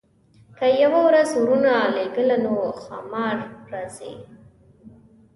که یې یوه ورځ ورونه لېږله نو ښامار راځي.